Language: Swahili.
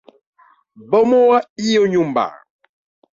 Bomoa iyo nyumba.